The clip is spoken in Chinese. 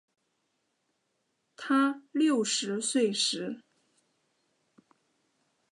她六十岁时